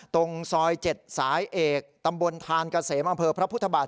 ตรงซอย๗สายเอกตำบลทานเกษมอำเภอพระพุทธบาท